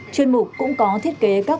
chuyên mục cũng có thiết kế các